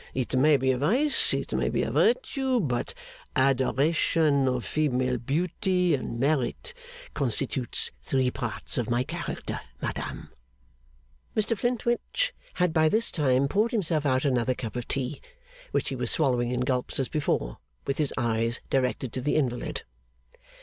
It may be a vice, it may be a virtue, but adoration of female beauty and merit constitutes three parts of my character, madam.' Mr Flintwinch had by this time poured himself out another cup of tea, which he was swallowing in gulps as before, with his eyes directed to the invalid.